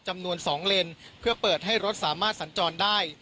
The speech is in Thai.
จำนวน๒เลนเพื่อเปิดให้รถสามารถสัญจรได้